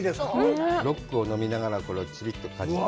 ロックを飲みながらこれをちびっとかじって。